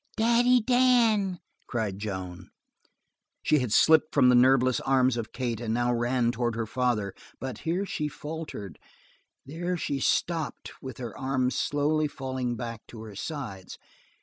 "Daddy Dan!" cried Joan. She had slipped from the nerveless arms of Kate and now ran towards her father, but here she faltered, there she stopped with her arms slowly falling back to her sides.